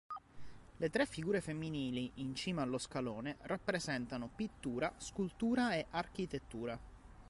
Le tre figure femminili in cima allo scalone rappresentano: "Pittura", "Scultura" e "Architettura".